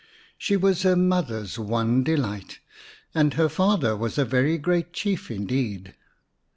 She was her mother's one delight, and her father was a very great Chief indeed.